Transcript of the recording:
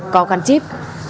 có gắn chip